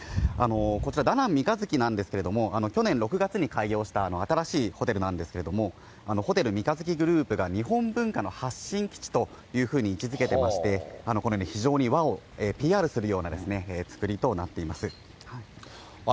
こちらダナン三日月なんですけど、去年６月に開業した新しいホテルなんですけれども、ホテル三日月グループが、日本文化の発信基地というふうに位置づけてまして、このように非常に和をＰＲするようなつくりとなっています。